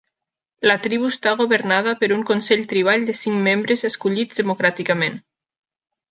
La tribu està governada per un consell tribal de cinc membres escollits democràticament.